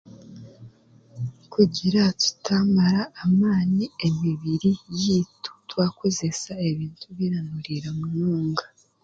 Kugira tutaamara amaani emibiri yaitu twakozesa ebintu biranunirira munonga